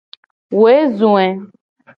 Woe zo e.